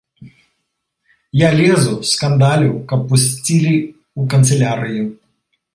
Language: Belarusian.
Я лезу, скандалю, каб пусцілі ў канцылярыю.